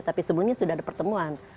tapi sebelumnya sudah ada pertemuan